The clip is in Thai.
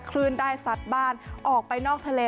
คลื่นได้ซัดบ้านออกไปนอกทะเล